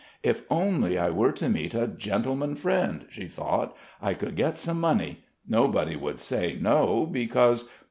"If only I were to meet a gentleman friend...." she thought. "I could get some money ... Nobody would say 'No,' because...."